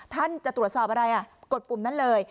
ท่านจะตรวจสอบอะไรกดปุ่มนั้นเลย